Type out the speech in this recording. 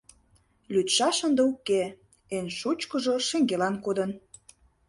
Лӱдшаш ынде уке: эн шучкыжо шеҥгелан кодын.